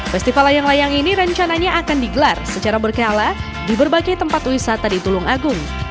festival layang layang ini rencananya akan digelar secara berkala di berbagai tempat wisata di tulung agung